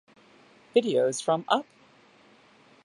Videos from Up!